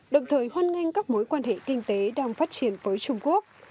đồng thời hoan nghênh các mối quan hệ kinh tế đang phát triển với trung quốc